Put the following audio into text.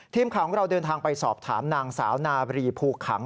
ทีมข่าวของเราเดินทางไปสอบถามนางสาวนาบรีภูขัง